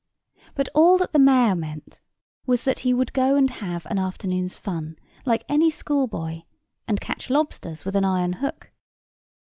But all that the mayor meant was that he would go and have an afternoon's fun, like any schoolboy, and catch lobsters with an iron hook.